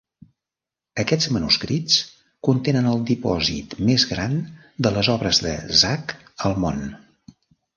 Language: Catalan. Aquests manuscrits contenen el dipòsit més gran de les obres de Zach al món.